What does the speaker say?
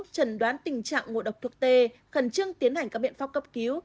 chẩn đoán tình trạng ngộ độc thuốc t khẩn trương tiến hành các biện pháp cấp cứu